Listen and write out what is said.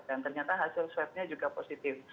dan ternyata hasil swabnya juga positif